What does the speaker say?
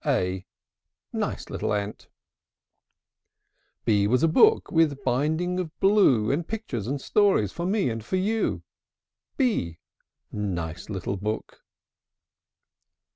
a! Nice little ant! B B was a book With a binding of blue, And pictures and stories For me and for you. b! Nice little book!